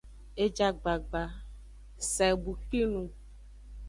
E ja gbagba, sa e bu kpi nung.